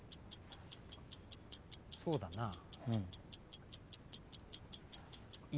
そうだなあ。